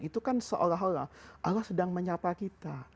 itu kan seolah olah allah sedang menyapa kita